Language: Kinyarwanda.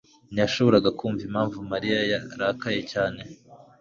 ntiyashoboraga kumva impamvu Mariya yarakaye cyane.